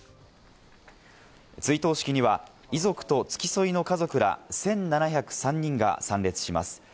追悼式には遺族と付き添いの家族ら１７０３人が参列します。